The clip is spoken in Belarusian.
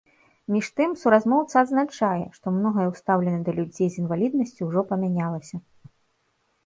Між тым, суразмоўца адзначае, што многае ў стаўленні да людзей з інваліднасцю ўжо памянялася.